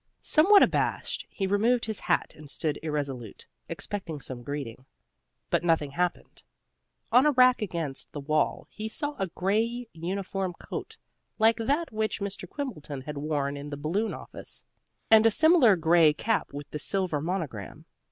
Somewhat abashed, he removed his hat and stood irresolute, expecting some greeting. But nothing happened. On a rack against the wall he saw a gray uniform coat like that which Mr. Quimbleton had worn in the Balloon office, and a similar gray cap with the silver monogram.